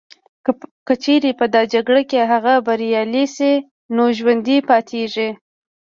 که چیري په دا جګړه کي هغه بریالي سي نو ژوندي پاتیږي